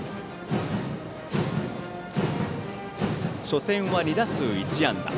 初戦は２打数１安打。